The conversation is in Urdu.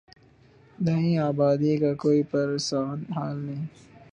دیہی آبادی کا کوئی پرسان حال نہیں۔